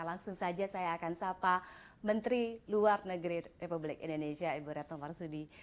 langsung saja saya akan mossa minri luar negeri republik indonesia ibu ratung frogsu di